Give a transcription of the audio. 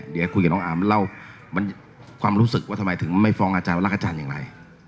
เดี๋ยวคุยกับน้องอาร์มเล่ามันความรู้สึกว่าทำไมถึงไม่ฟ้องอาจารย์รักอาจารย์อย่างไร